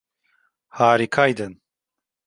Harikaydın.